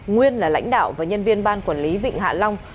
nguyên là lãnh đạo và nhân viên ban quản lý vịnh hạ long